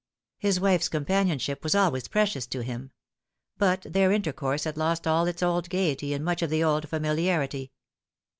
His wife's companion ship was always precious to him ; but their intercourse had lost all its old gaiety and much of the old familiarity.